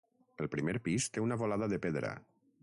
El primer pis té una volada de pedra.